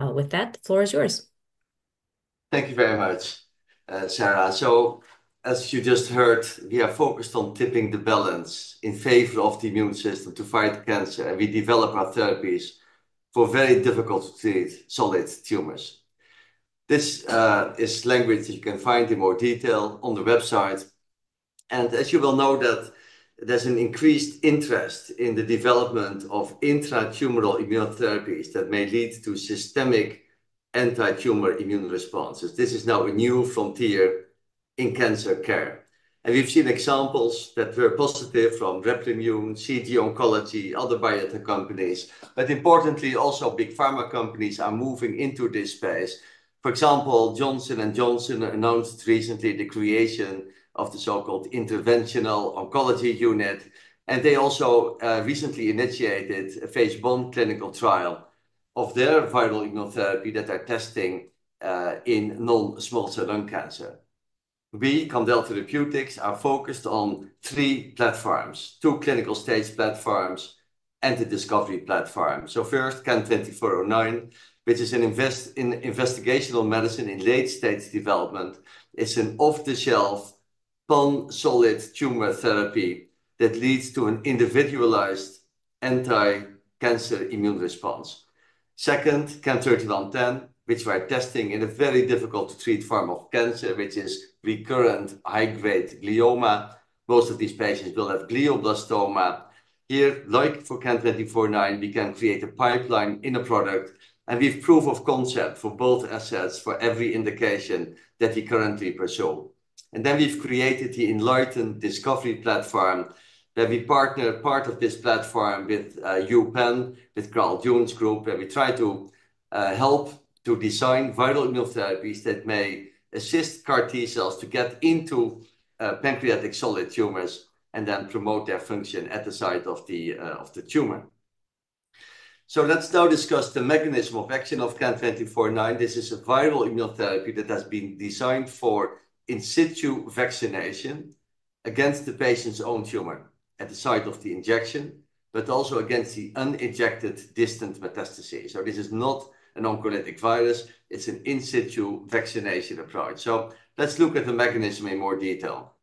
With that, the floor is yours. Thank you very much, Sarah. As you just heard, we are focused on tipping the balance in favor of the immune system to fight cancer, and we develop our therapies for very difficult to treat solid tumors. This is language that you can find in more detail on the website. As you well know, that there's an increased interest in the development of intratumoral immunotherapies that may lead to systemic anti-tumor immune responses. This is now a new frontier in cancer care, and we've seen examples that were positive from Replimune, CG Oncology, other biotech companies. Importantly, also, big pharma companies are moving into this space. For example, Johnson & Johnson announced recently the creation of the so-called Interventional Oncology Unit, and they also recently initiated a phase I clinical trial of their viral immunotherapy that they're testing in non-small cell lung cancer. We, Candel Therapeutics, are focused on three platforms: two clinical-stage platforms and a discovery platform. So first, CAN-2409, which is an investigational medicine in late-stage development. It's an off-the-shelf pan-solid tumor therapy that leads to an individualized anti-cancer immune response. Second, CAN-3110, which we're testing in a very difficult-to-treat form of cancer, which is recurrent high-grade glioma. Most of these patients will have glioblastoma. Here, like for CAN-2409, we can create a pipeline in a product, and we have proof of concept for both assets for every indication that we currently pursue. Then we've created the enLIGHTEN Discovery Platform, that we partner part of this platform with, UPenn, with Carl June's group, and we try to, help to design viral immunotherapies that may assist CAR T cells to get into, pancreatic solid tumors and then promote their function at the site of the, of the tumor. Let's now discuss the mechanism of action of CAN-2409. This is a viral immunotherapy that has been designed for in situ vaccination against the patient's own tumor at the site of the injection, but also against the uninjected distant metastases. This is not an oncolytic virus. It's an in situ vaccination approach. Let's look at the mechanism in more detail.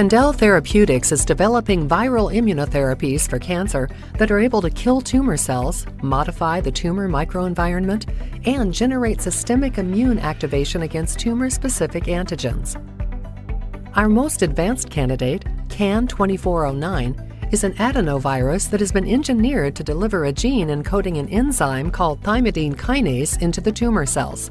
Candel Therapeutics is developing viral immunotherapies for cancer that are able to kill tumor cells, modify the tumor microenvironment, and generate systemic immune activation against tumor-specific antigens. Our most advanced candidate, CAN-2409, is an adenovirus that has been engineered to deliver a gene encoding an enzyme called thymidine kinase into the tumor cells.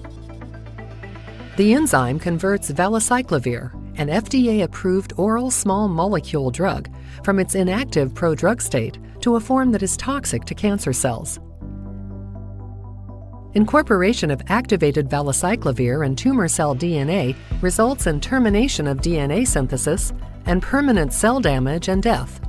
The enzyme converts valacyclovir, an FDA-approved oral small molecule drug, from its inactive prodrug state to a form that is toxic to cancer cells. Incorporation of activated valacyclovir and tumor cell DNA results in termination of DNA synthesis and permanent cell damage and death.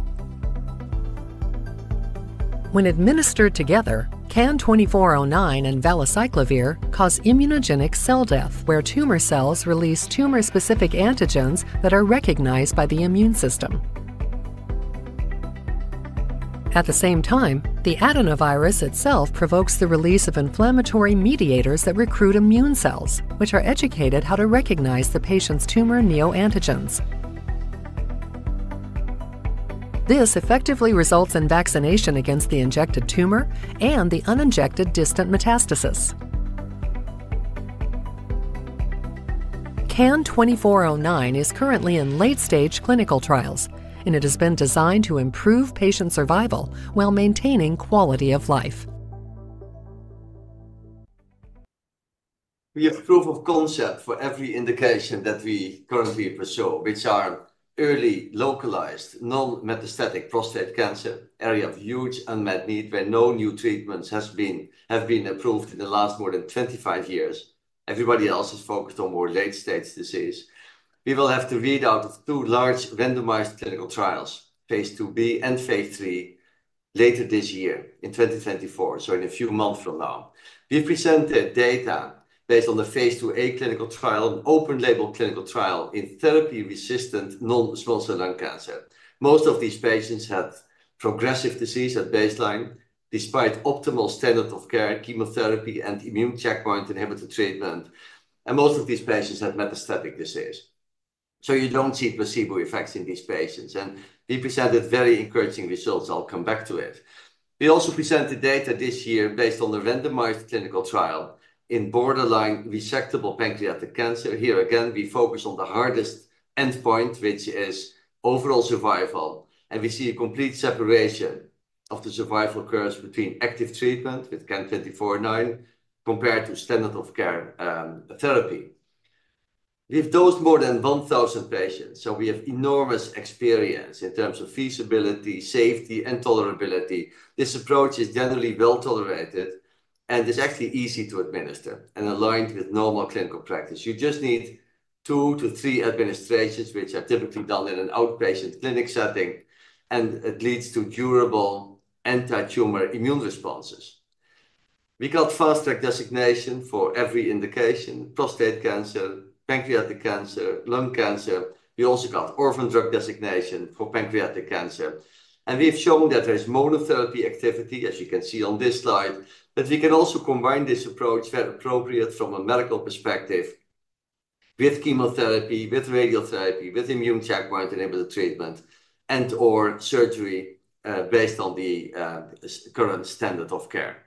When administered together, CAN-2409 and valacyclovir cause immunogenic cell death, where tumor cells release tumor-specific antigens that are recognized by the immune system. At the same time, the adenovirus itself provokes the release of inflammatory mediators that recruit immune cells, which are educated how to recognize the patient's tumor neoantigens. This effectively results in vaccination against the injected tumor and the uninjected distant metastasis. CAN-2409 is currently in late-stage clinical trials, and it has been designed to improve patient survival while maintaining quality of life. We have proof of concept for every indication that we currently pursue, which are early, localized, non-metastatic prostate cancer, area of huge unmet need, where no new treatments have been approved in the last more than 25 years. Everybody else is focused on more late-stage disease. We will have to read out of two large randomized clinical trials, phase II-B and phase III, later this year in 2024, so in a few months from now. We've presented data based on the phase II-A clinical trial, an open-label clinical trial in therapy-resistant non-small cell lung cancer. Most of these patients had progressive disease at baseline, despite optimal standard of care, chemotherapy, and immune checkpoint inhibitor treatment, and most of these patients had metastatic disease, so you don't see placebo effects in these patients, and we presented very encouraging results. I'll come back to it. We also presented data this year based on the randomized clinical trial in borderline resectable pancreatic cancer. Here again, we focus on the hardest endpoint, which is overall survival, and we see a complete separation of the survival curves between active treatment with CAN-2409 compared to standard of care therapy. We've dosed more than one thousand patients, so we have enormous experience in terms of feasibility, safety, and tolerability. This approach is generally well-tolerated and is actually easy to administer and aligned with normal clinical practice. You just need two to three administrations, which are typically done in an outpatient clinic setting, and it leads to durable anti-tumor immune responses. We got Fast Track designation for every indication: prostate cancer, pancreatic cancer, lung cancer. We also got Orphan Drug designation for pancreatic cancer, and we have shown that there's monotherapy activity, as you can see on this slide. But we can also combine this approach where appropriate from a medical perspective with chemotherapy, with radiotherapy, with immune checkpoint inhibitor treatment, and or surgery, based on the current standard of care.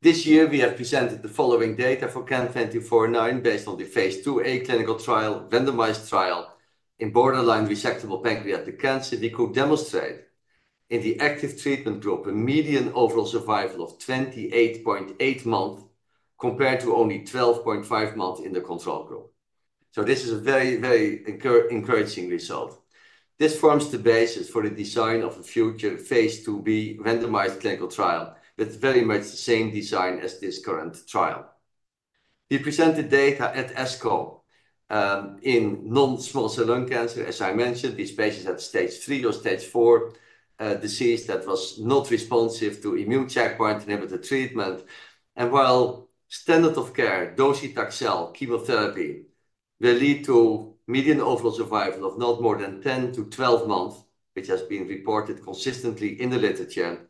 This year, we have presented the following data for CAN-2409, based on the phase II-A clinical trial, randomized trial, in borderline resectable pancreatic cancer. We could demonstrate in the active treatment group, a median overall survival of 28.8 months, compared to only 12.5 months in the control group. So this is a very, very encouraging result. This forms the basis for the design of a future phase II-B randomized clinical trial, with very much the same design as this current trial. We presented data at ASCO in non-small cell lung cancer. As I mentioned, these patients had stage three or stage four disease that was not responsive to immune checkpoint inhibitor treatment. While standard of care docetaxel chemotherapy will lead to median overall survival of not more than 10-12 months, which has been reported consistently in the literature,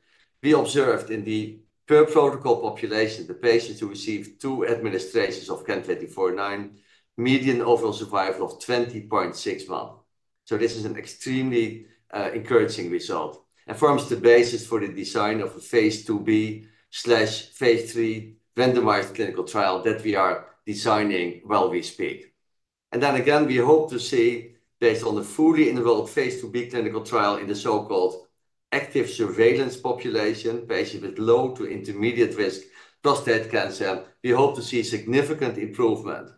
we observed in the per-protocol population, the patients who received two administrations of CAN-2409, median overall survival of 20.6 months. This is an extremely encouraging result, and forms the basis for the design of a phase II-B/phase III randomized clinical trial that we are designing while we speak. Then again, we hope to see, based on the fully enrolled phase II-B clinical trial in the so-called active surveillance population, patients with low to intermediate risk prostate cancer, we hope to see significant improvement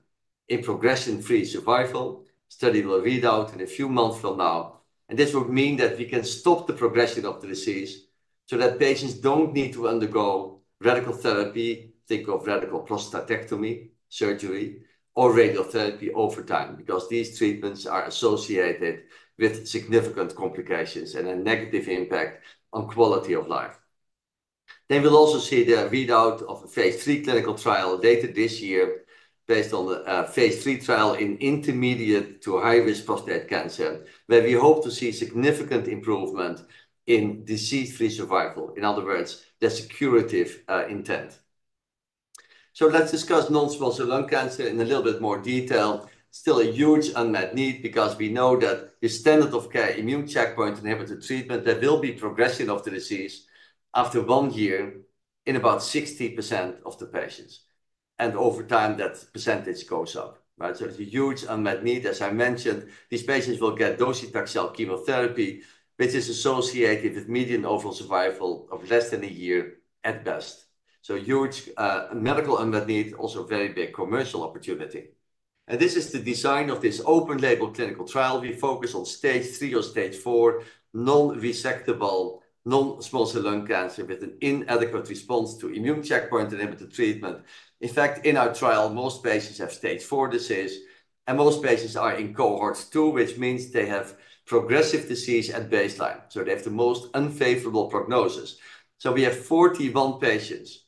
in progression-free survival. Study will read out in a few months from now, and this would mean that we can stop the progression of the disease, so that patients don't need to undergo radical therapy, think of radical prostatectomy surgery or radiotherapy over time, because these treatments are associated with significant complications and a negative impact on quality of life. Then we'll also see the readout of a phase III clinical trial data this year, based on the phase III trial in intermediate to high risk prostate cancer, where we hope to see significant improvement in disease-free survival. In other words, the curative intent. So let's discuss non-small cell lung cancer in a little bit more detail. Still a huge unmet need, because we know that the standard of care, immune checkpoint inhibitor treatment, there will be progression of the disease after one year in about 60% of the patients, and over time, that percentage goes up, right? It's a huge unmet need. As I mentioned, these patients will get docetaxel chemotherapy, which is associated with median overall survival of less than a year at best. Huge, medical unmet need, also very big commercial opportunity. This is the design of this open label clinical trial. We focus on stage three or stage four non-resectable, non-small cell lung cancer with an inadequate response to immune checkpoint inhibitor treatment. In fact, in our trial, most patients have stage four disease, and most patients are in cohort two, which means they have progressive disease at baseline, so they have the most unfavorable prognosis. We have 41 patients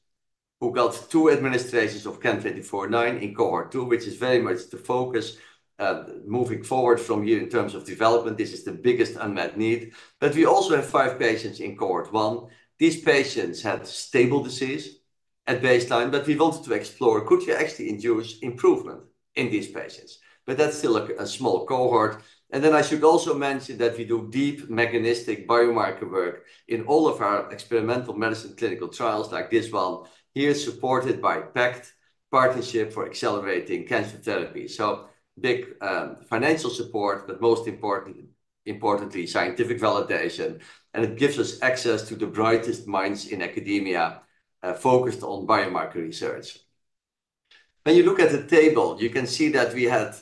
who got two administrations of CAN-2409 in cohort two, which is very much the focus moving forward from here in terms of development. This is the biggest unmet need. We also have five patients in cohort one. These patients had stable disease at baseline, but we wanted to explore, could you actually induce improvement in these patients? That's still a small cohort. I should also mention that we do deep mechanistic biomarker work in all of our experimental medicine clinical trials like this one. Here, supported by PACT, Partnership for Accelerating Cancer Therapy. Big financial support, but most important, importantly, scientific validation, and it gives us access to the brightest minds in academia focused on biomarker research. When you look at the table, you can see that we had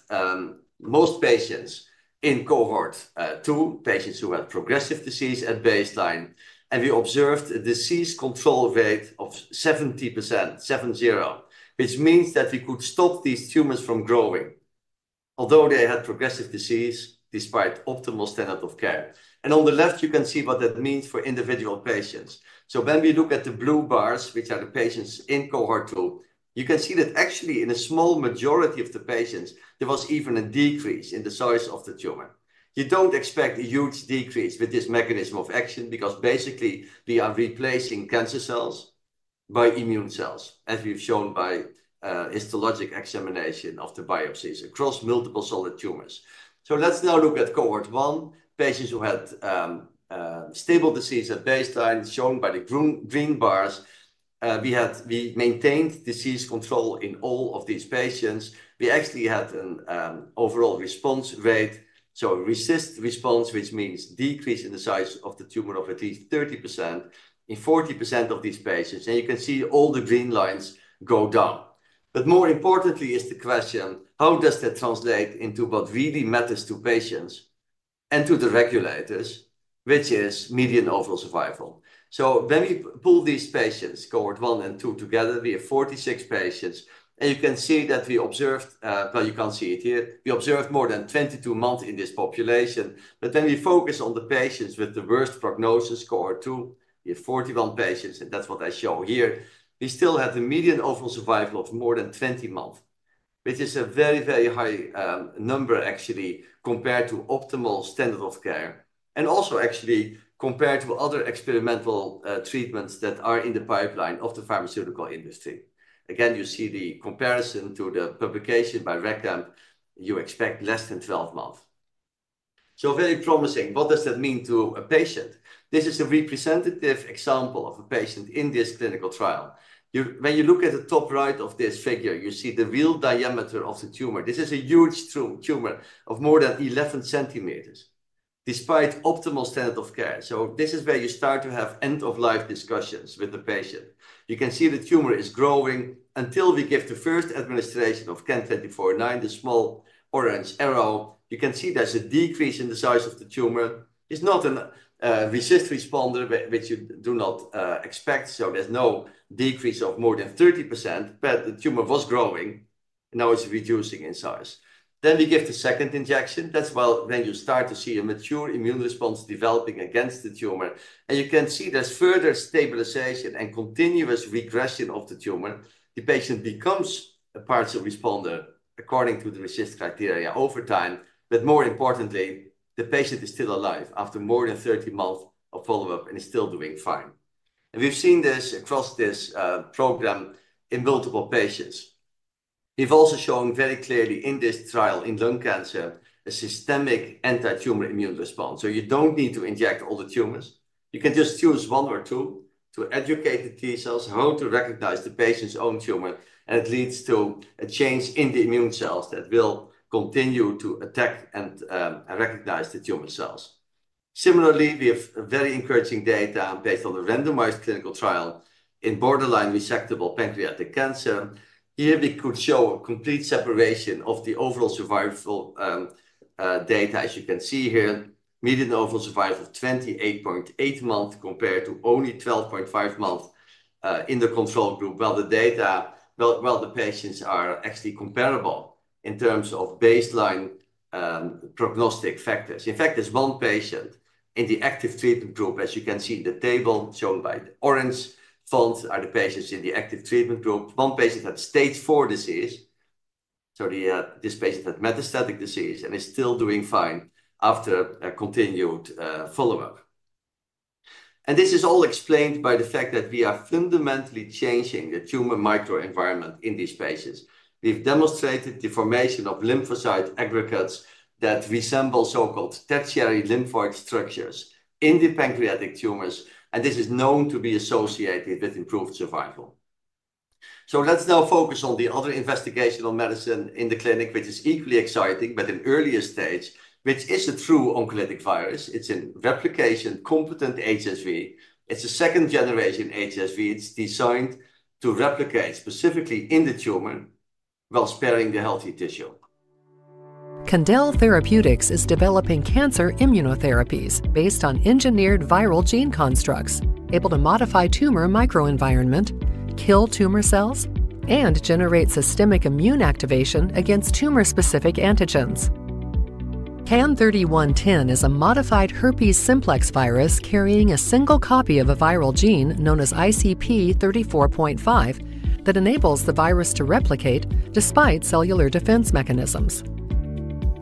most patients in cohort two, patients who had progressive disease at baseline, and we observed a disease control rate of 70%, seven zero, which means that we could stop these tumors from growing, although they had progressive disease, despite optimal standard of care. And on the left, you can see what that means for individual patients. So when we look at the blue bars, which are the patients in cohort two, you can see that actually, in a small majority of the patients, there was even a decrease in the size of the tumor. You don't expect a huge decrease with this mechanism of action, because basically, we are replacing cancer cells by immune cells, as we've shown by histologic examination of the biopsies across multiple solid tumors. So let's now look at cohort one, patients who had stable disease at baseline, shown by the green bars. We maintained disease control in all of these patients. We actually had an overall response rate, so a RECIST response, which means decrease in the size of the tumor of at least 30% in 40% of these patients. And you can see all the green lines go down. But more importantly is the question: How does that translate into what really matters to patients and to the regulators, which is median overall survival? So when we pool these patients, cohort one and two, together, we have 46 patients, and you can see that we observed. Well, you can't see it here. We observed more than 22 months in this population. When we focus on the patients with the worst prognosis, cohort two, we have 41 patients, and that's what I show here. We still have the median overall survival of more than twenty months, which is a very, very high number, actually, compared to optimal standard of care... and also actually compared to other experimental treatments that are in the pipeline of the pharmaceutical industry. Again, you see the comparison to the publication by Reckamp; you expect less than 12 months. So very promising. What does that mean to a patient? This is a representative example of a patient in this clinical trial. When you look at the top right of this figure, you see the real diameter of the tumor. This is a huge tumor of more than 11 centimeters, despite optimal standard of care. So this is where you start to have end-of-life discussions with the patient. You can see the tumor is growing until we give the first administration of CAN-2409, the small orange arrow. You can see there's a decrease in the size of the tumor. It's not an RECIST responder, but which you do not expect, so there's no decrease of more than 30%. But the tumor was growing, now it's reducing in size. Then we give the second injection. That's well, when you start to see a mature immune response developing against the tumor, and you can see there's further stabilization and continuous regression of the tumor. The patient becomes a partial responder according to the RECIST criteria over time, but more importantly, the patient is still alive after more than 30 months of follow-up and is still doing fine. We've seen this across this program in multiple patients. We've also shown very clearly in this trial in lung cancer, a systemic anti-tumor immune response. So you don't need to inject all the tumors. You can just choose one or two to educate the T-cells how to recognize the patient's own tumor, and it leads to a change in the immune cells that will continue to attack and recognize the tumor cells. Similarly, we have very encouraging data based on the randomized clinical trial in borderline resectable pancreatic cancer. Here, we could show a complete separation of the overall survival data. As you can see here, median overall survival of 28.8 months, compared to only 12.5 months in the control group, while the patients are actually comparable in terms of baseline prognostic factors. In fact, there's one patient in the active treatment group, as you can see in the table, shown by the orange font, are the patients in the active treatment group. One patient had stage four disease, so this patient had metastatic disease and is still doing fine after a continued follow-up. This is all explained by the fact that we are fundamentally changing the tumor microenvironment in these patients. We've demonstrated the formation of lymphocyte aggregates that resemble so-called tertiary lymphoid structures in the pancreatic tumors, and this is known to be associated with improved survival. Let's now focus on the other investigational medicine in the clinic, which is equally exciting, but in earlier stage, which is a true oncolytic virus. It's a replication-competent HSV. It's a second-generation HSV. It's designed to replicate specifically in the tumor while sparing the healthy tissue. Candel Therapeutics is developing cancer immunotherapies based on engineered viral gene constructs, able to modify tumor microenvironment, kill tumor cells, and generate systemic immune activation against tumor-specific antigens. CAN-3110 is a modified herpes simplex virus carrying a single copy of a viral gene known as ICP34.5, that enables the virus to replicate despite cellular defense mechanisms.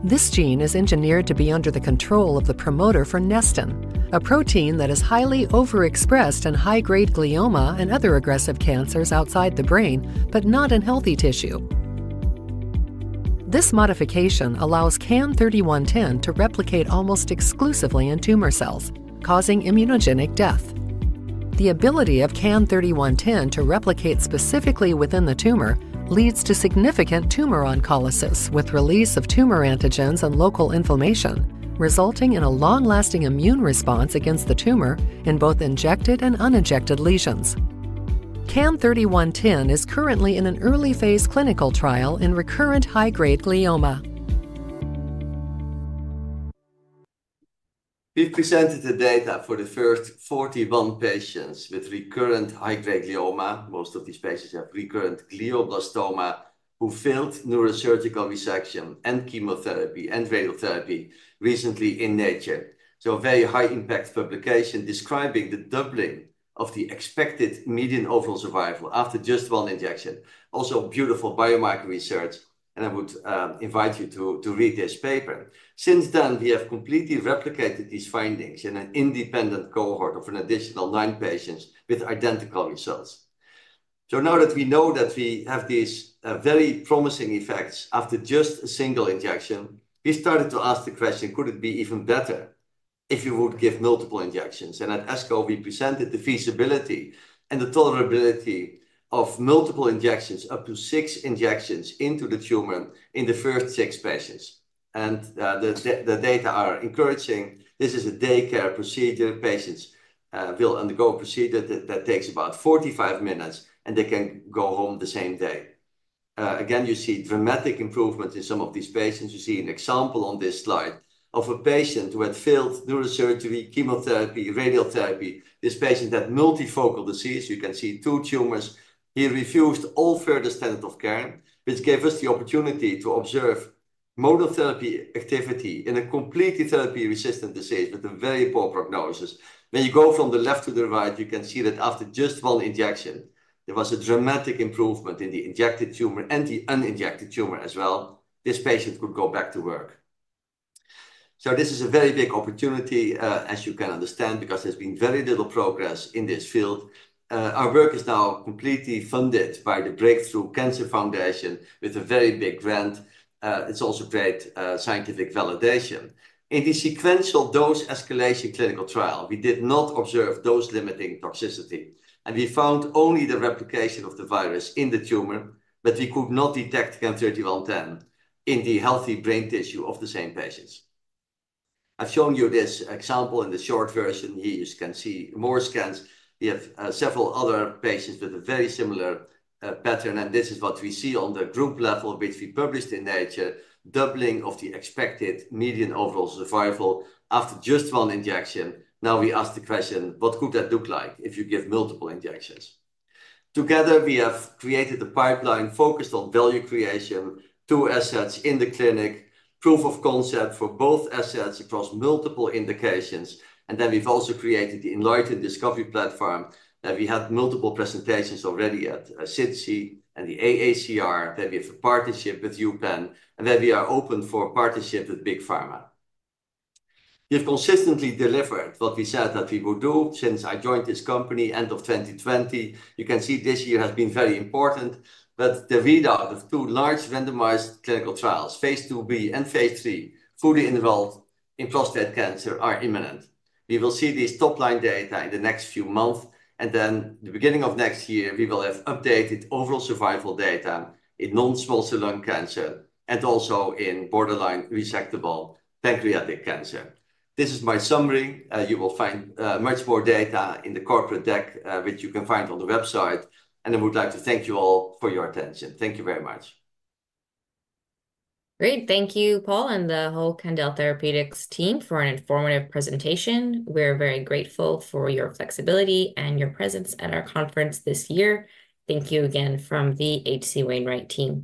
This gene is engineered to be under the control of the promoter for Nestin, a protein that is highly overexpressed in high-grade glioma and other aggressive cancers outside the brain, but not in healthy tissue. This modification allows CAN-3110 to replicate almost exclusively in tumor cells, causing immunogenic death. The ability of CAN-3110 to replicate specifically within the tumor leads to significant tumor oncolysis, with release of tumor antigens and local inflammation, resulting in a long-lasting immune response against the tumor in both injected and uninjected lesions. CAN-3110 is currently in an early phase clinical trial in recurrent high-grade glioma. We've presented the data for the first 41 patients with recurrent high-grade glioma. Most of these patients have recurrent glioblastoma who failed neurosurgical resection, and chemotherapy, and radiotherapy recently in Nature, so a very high-impact publication describing the doubling of the expected median overall survival after just one injection. Also, beautiful biomarker research, and I would invite you to read this paper. Since then, we have completely replicated these findings in an independent cohort of an additional nine patients with identical results, so now that we know that we have these very promising effects after just a single injection, we started to ask the question: Could it be even better if you would give multiple injections? and at ASCO, we presented the feasibility and the tolerability of multiple injections, up to six injections into the tumor in the first six patients. The data are encouraging. This is a daycare procedure. Patients will undergo a procedure that takes about 45 minutes, and they can go home the same day. Again, you see dramatic improvements in some of these patients. You see an example on this slide of a patient who had failed neurosurgery, chemotherapy, radiotherapy. This patient had multifocal disease. You can see two tumors. He refused all further standard of care, which gave us the opportunity to observe monotherapy activity in a completely therapy-resistant disease with a very poor prognosis. When you go from the left to the right, you can see that after just one injection. There was a dramatic improvement in the injected tumor and the uninjected tumor as well. This patient could go back to work. So this is a very big opportunity, as you can understand, because there's been very little progress in this field. Our work is now completely funded by the Breakthrough Cancer Foundation with a very big grant. It's also great scientific validation. In the sequential dose escalation clinical trial, we did not observe dose-limiting toxicity, and we found only the replication of the virus in the tumor, but we could not detect CAN-3110 in the healthy brain tissue of the same patients. I've shown you this example in the short version. Here, you can see more scans. We have several other patients with a very similar pattern, and this is what we see on the group level, which we published in Nature, doubling of the expected median overall survival after just one injection. Now, we ask the question: What could that look like if you give multiple injections? Together, we have created a pipeline focused on value creation, two assets in the clinic, proof of concept for both assets across multiple indications, and then we've also created the enLIGHTEN Discovery Platform, and we had multiple presentations already at SITC and the AACR, then we have a partnership with UPenn, and then we are open for a partnership with Big Pharma. We have consistently delivered what we said that we would do since I joined this company, end of 2020. You can see this year has been very important, but the readout of two large randomized clinical trials, Phase II-B and Phase III, fully enrolled in prostate cancer, are imminent. We will see these top-line data in the next few months, and then the beginning of next year, we will have updated overall survival data in non-small cell lung cancer and also in borderline resectable pancreatic cancer. This is my summary. You will find much more data in the corporate deck, which you can find on the website, and I would like to thank you all for your attention. Thank you very much. Great. Thank you, Paul, and the whole Candel Therapeutics team for an informative presentation. We're very grateful for your flexibility and your presence at our conference this year. Thank you again from the H.C. Wainwright team.